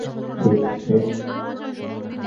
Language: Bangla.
ঠিক, ঠিক!